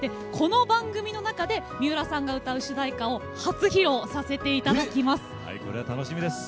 この番組の中で三浦さんが歌う主題歌を初披露させていただきます。